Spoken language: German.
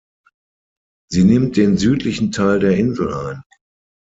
Sie nimmt den südlichen Teil der Insel ein.